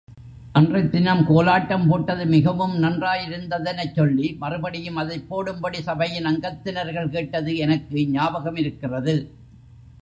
அன்றைத்தினம் கோலாட்டம் போட்டது மிகவும் நன்றாயிருந்ததெனச் சொல்லி, மறுபடியும் அதைப் போடும்படி சபையின் அங்கத்தினர்கள் கேட்டது எனக்கு ஞாபகமிருக்கிறது.